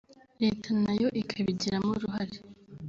Leta nayo ikabigiramo uruhare